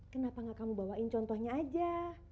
kenapa gak kamu bawain contohnya aja